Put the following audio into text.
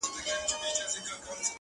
بلا دا چې دي له څېرمې لؤړزنې